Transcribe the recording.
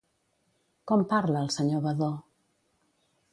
Com parla el senyor Badó?